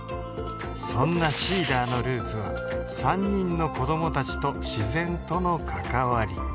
そんなＳｅｅｄｅｒのルーツは３人の子どもたちと自然との関わり